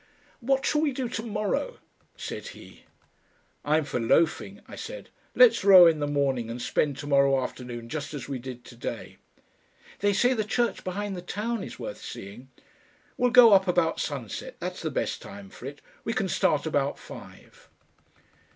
"What shall we do to morrow?" said he. "I'm for loafing," I said. "Let's row in the morning and spend to morrow afternoon just as we did to day." "They say the church behind the town is worth seeing." "We'll go up about sunset; that's the best time for it. We can start about five."